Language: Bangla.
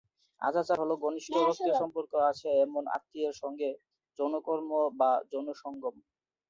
অজাচার হলো ঘনিষ্ঠ রক্তীয় সম্পর্ক আছে এমন আত্মীয়ের সঙ্গে যৌনকর্ম বা যৌনসঙ্গম।